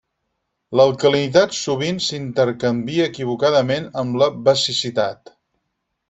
L'alcalinitat sovint s'intercanvia equivocadament amb la basicitat.